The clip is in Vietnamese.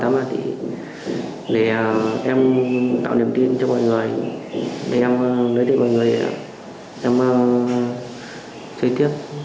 để em chơi thiệt